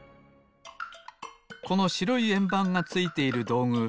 このしろいえんばんがついているどうぐ